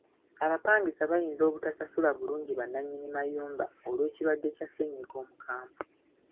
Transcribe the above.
Abapangisa bayinza obutasasula bulungi ba nannyini mayumba olw'ekirwadde kya ssennyiga omukambwe.